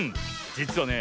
じつはね